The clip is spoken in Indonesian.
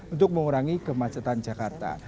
untuk mengurangi kemacetan jakarta